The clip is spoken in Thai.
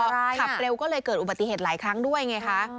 ขับเร็วก็เลยเกิดอุบัติเหตุหลายครั้งด้วยไงคะ